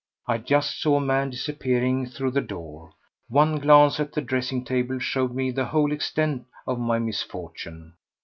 I just saw a man disappearing through the door. One glance at the dressing table showed me the whole extent of my misfortune.